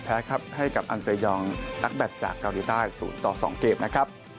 ครับให้กับอันเซยองนักแบตจากเกาหลีใต้๐ต่อ๒เกมนะครับ